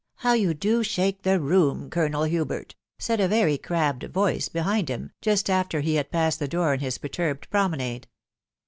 «... How you do shake 4he Team, Colonel Hubert," aaid *^ery oraahed^o1ae behind %im, just after he iiad passed the door in has peitnrbed promenade.